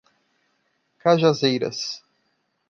Cajazeiras